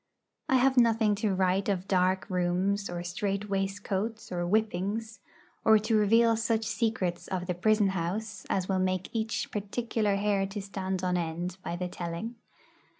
I have nothing to write of dark rooms or strait waistcoats or whippings, or to reveal such secrets of the prison house as will make each particular hair to stand on end by the telling.